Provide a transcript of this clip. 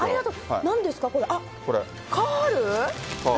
なんですか、これ、カール？